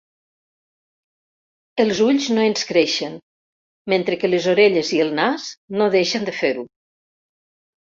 Els ulls no ens creixen, mentre que les orelles i el nas no deixen de fer-ho.